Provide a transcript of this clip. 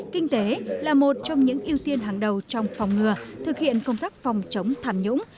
kinh tế là một trong những ưu tiên hàng đầu trong phòng ngừa thực hiện công tác phòng chống tham nhũng